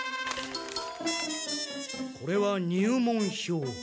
これは入門票。